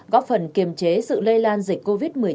góp phần kiềm chế sự lây lan dịch covid một mươi chín